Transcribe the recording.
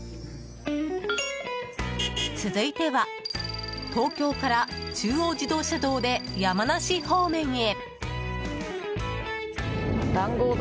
続いては、東京から中央自動車道で山梨方面へ。